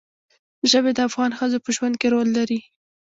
ژبې د افغان ښځو په ژوند کې رول لري.